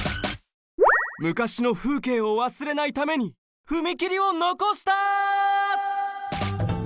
昔の風景をわすれないために踏切をのこした！